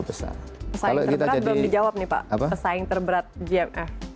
pesaing terberat belum dijawab nih pak pesaing terberat gmf